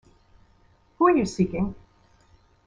Who are you seeking?